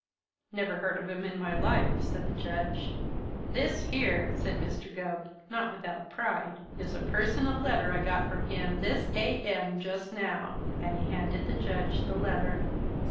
"Never heard of him in my life," said the Judge. "This here," said Mr. Gubb, not without pride, "is a personal letter I got from him this A.M. just now," and he handed the Judge the letter.